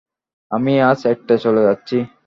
আমি আজ একটায় চলে যাচ্ছি।